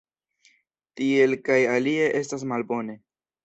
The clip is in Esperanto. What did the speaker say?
Tiel kaj alie estas malbone.